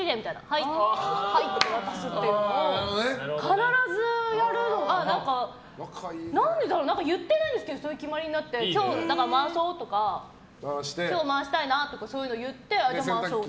はい、はいって渡すっていうのを必ずやるのが何でだろう、言ってないんだけどそういう決まりになって今日、回そうとか今日、回したいなとかそういうのを言ってじゃあ回そうって。